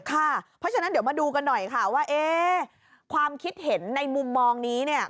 เพราะฉะนั้นเดี๋ยวมาดูกันหน่อยค่ะว่าความคิดเห็นในมุมมองนี้เนี่ย